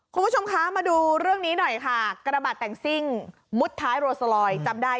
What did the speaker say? คุณผู้ชมคะมาดูเรื่องนี้หน่อยค่ะกระบะแต่งซิ่งมุดท้ายโรโซลอยจำได้